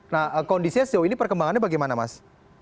nah kondisinya sejauh ini perkembangannya bagaimana mas